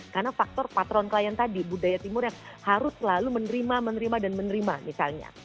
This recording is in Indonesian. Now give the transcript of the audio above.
karena faktor patron klien tadi budaya timur yang harus selalu menerima menerima dan menerima misalnya